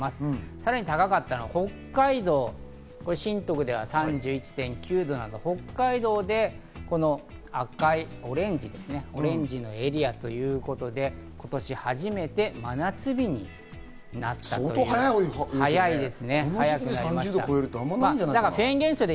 さらに高かったのが、北海道新得では３１．９度など、北海道でオレンジのエリアということで今年初めて真夏日になったんです。